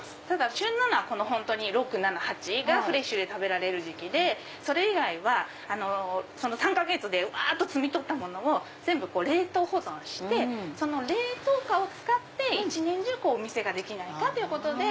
旬はこの６７８がフレッシュで食べられる時期でそれ以外はその３か月で摘み取ったものを冷凍保存してその冷凍果を使って一年中お店ができないかということで。